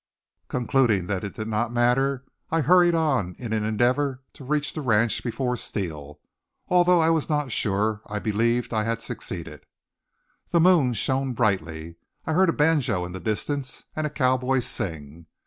Concluding that it did not matter I hurried on in an endeavor to reach the ranch before Steele. Although I was not sure, I believed I had succeeded. The moon shone brightly. I heard a banjo in the distance and a cowboy sing.